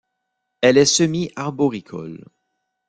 Elle est semi-arboricole.